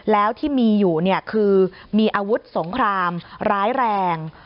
แล้วที่มีอยู่คือมีอาวุธสงครามร้ายแรง